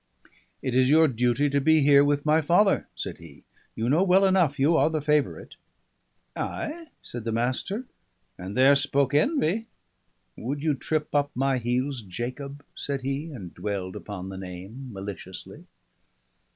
"It is your duty to be here with my father," said he. "You know well enough you are the favourite." "Ay?" said the Master. "And there spoke Envy! Would you trip up my heels Jacob?" said he, and dwelled upon the name maliciously.